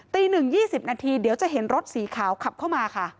๑๒๐นาทีเดี๋ยวจะเห็นรถสีขาวขับเข้ามาค่ะ